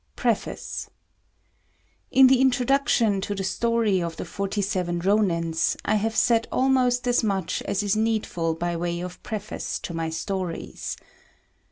] PREFACE In the Introduction to the story of the Forty seven Rônins, I have said almost as much as is needful by way of preface to my stories.